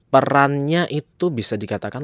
perannya itu bisa dikatakan